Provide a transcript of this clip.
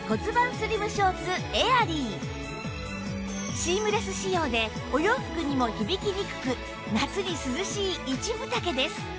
シームレス仕様でお洋服にも響きにくく夏に涼しい一分丈です